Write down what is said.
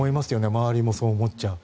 周りもそう思っちゃう。